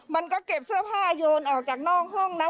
มันก็เก็บเสื้อผ้าโยนออกจากนอกห้องนะ